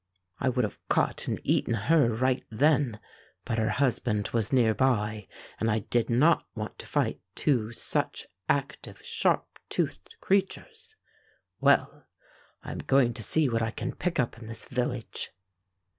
I would have caught and eaten her right then, but her husband was near by, and I did not want to fight two such active, 170 Fairy Tale Foxes sharp toothed creatures. Well, I am going to see what I can pick up in this village.